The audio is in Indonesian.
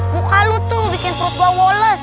muka lo tuh bikin perut gua wolos